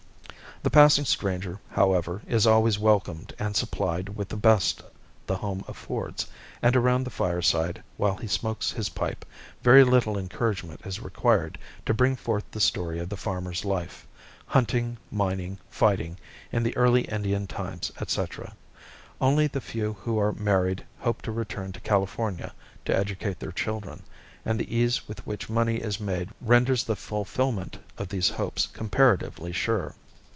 The passing stranger, however, is always welcomed and supplied with the best the home affords, and around the fireside, while he smokes his pipe, very little encouragement is required to bring forth the story of the farmer's life—hunting, mining, fighting, in the early Indian times, etc. Only the few who are married hope to return to California to educate their children, and the ease with which money is made renders the fulfillment of these hopes comparatively sure.